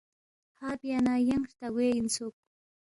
ہا بیا نہ ینگ ہرتا گوے اِنسُوک